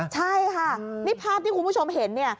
ใช่ค่ะนี่ภาพที่คุณผู้ชมเห็นเนี่ย